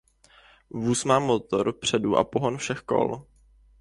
Vůz má motor vpředu a pohon všech kol.